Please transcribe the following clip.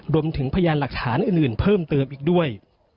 พยานหลักฐานอื่นเพิ่มเติมอีกด้วย